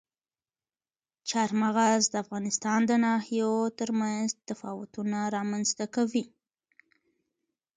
چار مغز د افغانستان د ناحیو ترمنځ تفاوتونه رامنځ ته کوي.